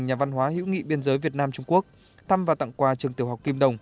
nhà văn hóa hữu nghị biên giới việt nam trung quốc thăm và tặng quà trường tiểu học kim đồng